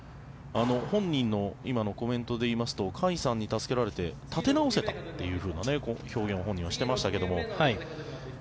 本人の今のコメントで言いますと甲斐さんに助けられて立て直せたというふうな表現を本人はしていましたけれど。